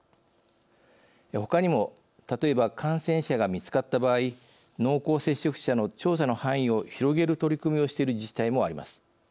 ほかにも例えば感染者が見つかった場合濃厚接触者の調査の範囲を広げる取り組みをしている自治体もあります。